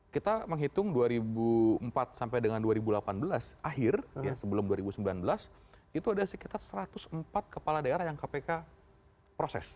kita menghitung dua ribu empat sampai dengan dua ribu delapan belas akhir sebelum dua ribu sembilan belas itu ada sekitar satu ratus empat kepala daerah yang kpk proses